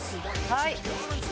はい！